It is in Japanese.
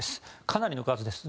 かなりの数です。